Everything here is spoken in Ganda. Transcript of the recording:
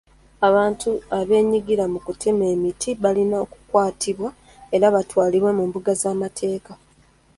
Abantu abeenyigira mu kutema emiti balina okukwatibwa era batwalibwe mu mbuga z'amateeka.